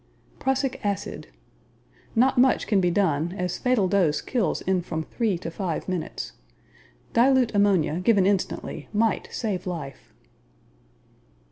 Prussic Acid Not much can be done, as fatal dose kills in from three to five minutes. Dilute ammonia given instantly might save life.